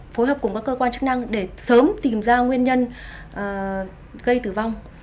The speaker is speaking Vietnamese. phối hợp cùng các cơ quan chức năng để sớm tìm ra nguyên nhân gây tử vong